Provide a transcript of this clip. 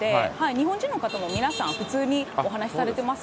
日本人の方も皆さん、普通にお話しされてます。